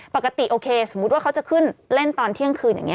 ปกติโอเคสมมุติว่าเขาจะขึ้นเล่นตอนเที่ยงคืนอย่างนี้